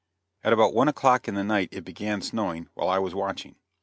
At about one o'clock in the night it began snowing, while I was watching.